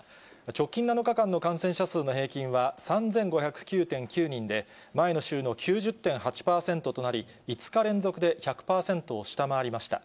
直近７日間の感染者数の平均は、３５０９．９人で、前の週の９０．８％となり、５日連続で１００％を下回りました。